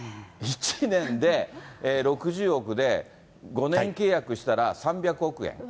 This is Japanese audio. １年で６０億で、５年契約したら３００億円。